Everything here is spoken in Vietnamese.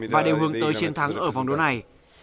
và đều hướng tới chiến thắng ở vòng đấu này